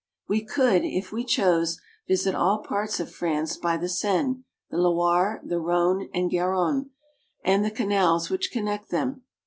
We could, if we chose, visit all parts of France by the Seine, the Loire, the Rhone, and Garonne, and the canals which connect them.